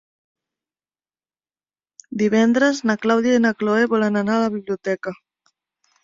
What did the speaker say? Divendres na Clàudia i na Cloè volen anar a la biblioteca.